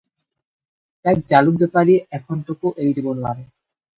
তাইক জালুক বেপাৰীয়ে এখন্তেকো এৰি দিব নোৱাৰে।